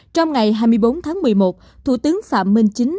trong ngày hai mươi bốn tháng một mươi một thủ tướng phạm minh chính